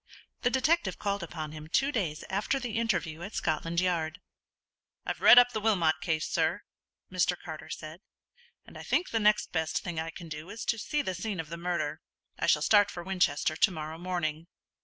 The detective called upon him two days after the interview at Scotland Yard. "I've read up the Wilmot case, sir," Mr. Carter said; "and I think the next best thing I can do is to see the scene of the murder. I shall start for Winchester to morrow morning."